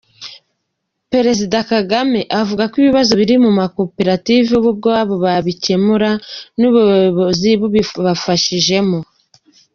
Perezida Kagame yavuze ko ibibazo biri mu makoperative bo ubwabo babikemura, n’ubuyobozi bubibafashijemo.